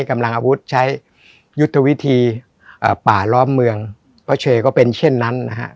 กำลังอาวุธใช้ยุทธวิธีเอ่อป่าล้อมเมืองเพราะเชก็เป็นเช่นนั้นนะฮะ